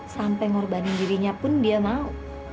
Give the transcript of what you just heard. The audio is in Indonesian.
sampai ngorbanin dirinya pun dia mau